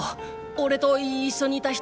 おれと一緒にいた人。